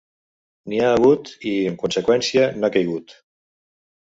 N'hi ha hagut i, en conseqüència, n'ha caigut.